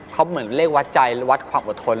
เขาเหมือนเลขวัดใจหรือวัดความอดทน